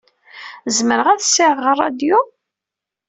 Zemreɣ ad ssiɣeɣ ṛṛadyu?